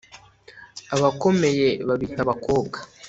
Abakomeye babita abakobwa